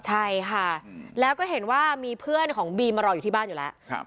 ใช่ค่ะแล้วก็เห็นว่ามีเพื่อนของบีมารออยู่ที่บ้านอยู่แล้ว